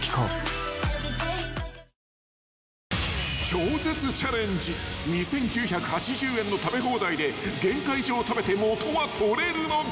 ［超絶チャレンジ２，９８０円の食べ放題で限界以上食べて元は取れるのか］